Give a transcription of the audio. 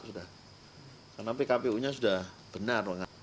karena pkpu nya sudah benar